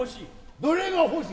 どれが欲しい。